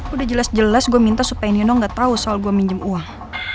udah jelas jelas gue minta supaya nino gak tau soal gue minjem uang